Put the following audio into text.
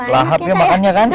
lahapnya makannya kan